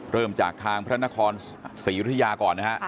เริ่มจากทางพระนครศรียุธยาก่อนนะฮะ